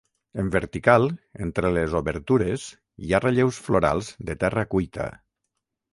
En vertical, entre les obertures, hi ha relleus florals de terra cuita.